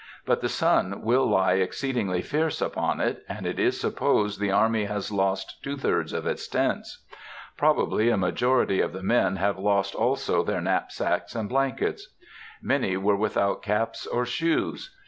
But the sun will lie exceedingly fierce upon it, and it is supposed the army has lost two thirds of its tents. Probably a majority of the men have lost also their knapsacks and blankets. Many were without caps or shoes.